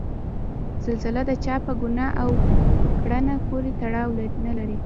زلزله د چا په ګناه او کړنه پورې تړاو نلري.